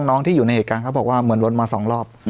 ที่อยู่ในเหตุการณ์เขาบอกว่าเหมือนรถมาสองรอบ